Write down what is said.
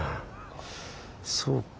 そうか。